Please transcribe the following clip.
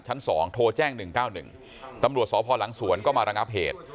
๒โทรแจ้ง๑๙๑ตำรวจสพหลังสวนก็มาระงับเหตุ